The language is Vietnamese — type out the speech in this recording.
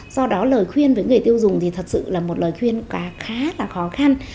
do đó lời khuyên với người tiêu dùng thì thật sự là một lời khuyên khá là khó khăn